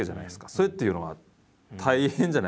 それっていうのは大変じゃないんですか？